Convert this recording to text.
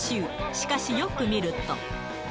しかし、よく見ると。